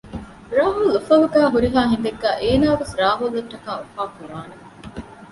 ރާހުލް އުފަލުގައި ހުރިހާ ހިނދެއްގައި އޭނާވެސް ރާހުލްއަށްޓަކާ އުފާކުރާނެ